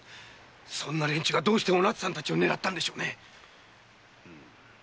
そんな連中がどうして二人を狙ったんでしょうね。